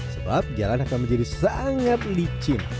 sebab jalan akan menjadi sangat licin